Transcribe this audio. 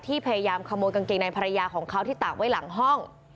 พยายามขโมยกางเกงในภรรยาของเขาที่ตากไว้หลังห้อง